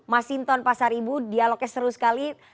mas inton pasar ibu dialognya seru sekali